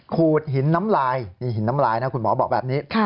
ขูดหินน้ำลายนี่หินน้ำลายนะคุณหมอบอกแบบนี้